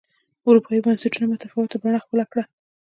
اروپایي بنسټونو متفاوته بڼه خپله کړه